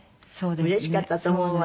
うれしかったと思うわ。